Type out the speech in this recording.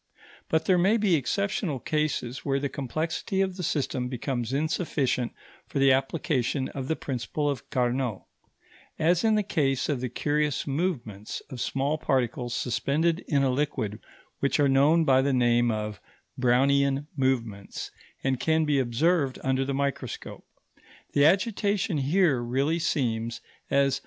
But there may be exceptional cases where the complexity of the system becomes insufficient for the application of the principle of Carnot; as in the case of the curious movements of small particles suspended in a liquid which are known by the name of Brownian movements and can be observed under the microscope. The agitation here really seems, as M.